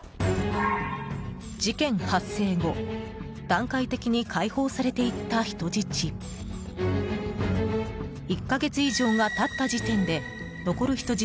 事件発生後段階的に解放されていった人質。